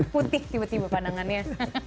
putih tiba tiba pandangannya